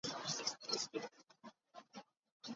He was the sixth of eleven children who lived to adulthood.